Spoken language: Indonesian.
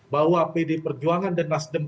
bahwa pd perjuangan dan nasdem